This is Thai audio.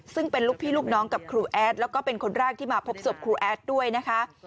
ซึ่งเป็นลูกพี่ลูกน้องกับครูแอดแล้วก็เป็นคนแรกที่มาพบศพครูแอดด้วยนะคะ